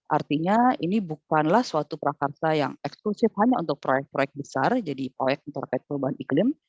artinya ini bukanlah suatu prakarsa yang eksklusif hanya untuk proyek proyek besar jadi proyek interpek perubahan iklim